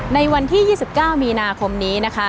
ในวันที่๒๙มีนาคมนี้นะคะ